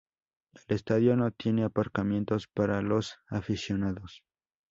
El estadio no tiene aparcamientos para los aficionados.